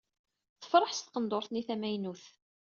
Tefṛeḥ s tqendurt-nni tamaynut.